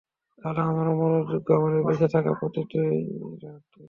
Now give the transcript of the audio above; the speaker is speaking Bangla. তাহলে আমরাও মরার যোগ্য, আমাদের বেঁচে থাকা প্রতিটি রাতই।